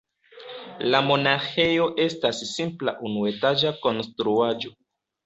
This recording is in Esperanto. La monaĥejo estas simpla unuetaĝa konstruaĵo.